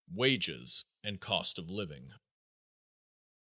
_Wages and Cost of Living.